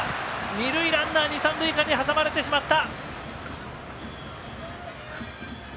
二塁ランナーに三塁間に挟まれてしまった。